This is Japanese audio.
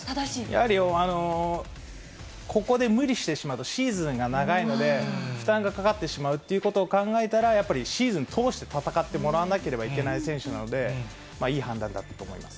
やはりここで無理してしまうとシーズンが長いので、負担がかかってしまうっていうことを考えたら、やっぱりシーズン通して戦ってもらわなければいけない選手なので、いい判断だったと思います。